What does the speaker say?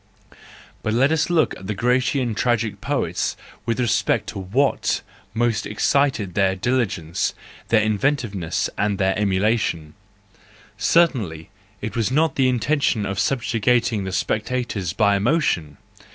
Let us but look at the Grecian tragic poets with respect to what most excited their diligence, their inventiveness, and their emulation,—certainly it was not the intention of subjugating the spectators by emotion!